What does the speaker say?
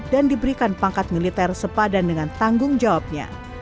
dan diberikan pangkat militer sepadan dengan tanggung jawabnya